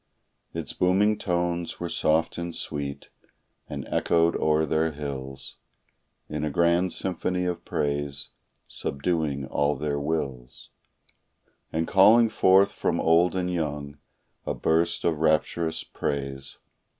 Its booming tones were soft and sweet, and echoed o'er their hills In a grand symphony of praise, subduing all their wills, And calling forth from old and young a burst of rapturous praise.